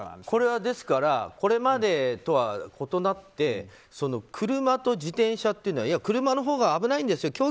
これは、これまでとは異なって車と自転車というのは車のほうが危ないんですよ